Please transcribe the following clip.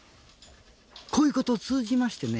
こういうことを通じましてね